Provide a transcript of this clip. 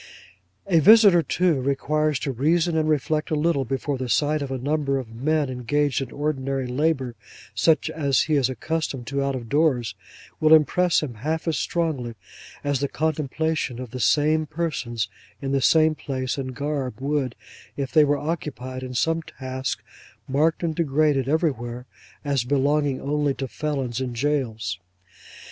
A visitor, too, requires to reason and reflect a little, before the sight of a number of men engaged in ordinary labour, such as he is accustomed to out of doors, will impress him half as strongly as the contemplation of the same persons in the same place and garb would, if they were occupied in some task, marked and degraded everywhere as belonging only to felons in jails.